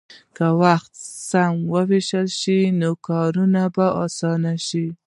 که وخت سم ووېشل شي، نو کار به اسانه شي.